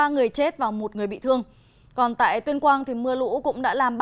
ba người chết và một người bị thương còn tại tuyên quang thì mưa lũ cũng đã làm ba